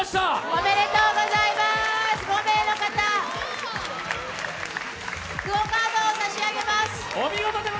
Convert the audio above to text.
おめでとうございます、５名の方、ＱＵＯカードを差し上げます。